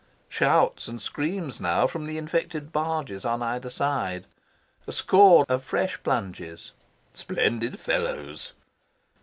Shouts and screams now from the infected barges on either side. A score of fresh plunges. "Splendid fellows!"